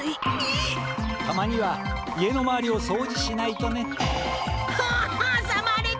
たまには家のまわりをそうじしないとね。ははさまれた！